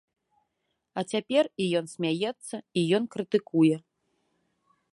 А цяпер і ён смяецца, і ён крытыкуе.